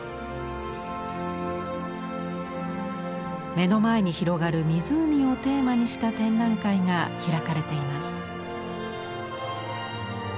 目の前に広がる湖をテーマにした展覧会が開かれています。